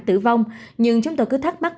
tử vong nhưng chúng tôi cứ thắc mắc